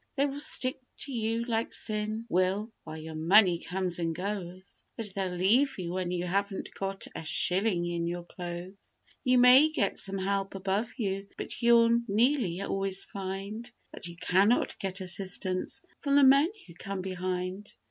They will stick to you like sin will, while your money comes and goes, But they'll leave you when you haven't got a shilling in your clothes. You may get some help above you, but you'll nearly always find That you cannot get assistance from the men who come behind.